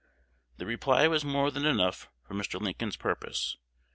The reply was more than enough for Mr. Lincoln's purpose.